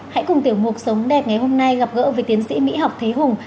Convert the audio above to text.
hãy cùng tiểu mục sống đẹp ngày hôm nay gặp gỡ với tiến sĩ mỹ học thế hùng